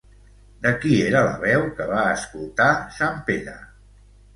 De qui era la veu que va escoltar sant Pere?